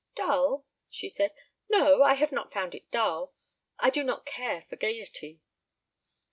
"Dull?" she said. "No, I have not found it dull. I do not care for gaiety."